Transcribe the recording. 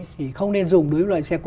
thì không nên dùng đối với loại xe cũ